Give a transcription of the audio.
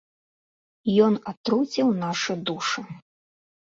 Ён атруціў нашы душы.